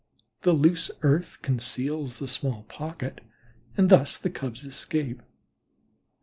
The loose earth conceals the small pocket and thus the Cubs escape.